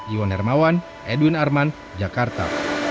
iwan hermawan edwin arman jakarta